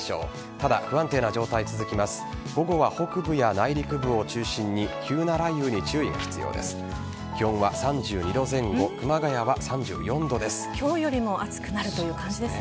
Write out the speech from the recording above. ただ、不安定な状態が続きます。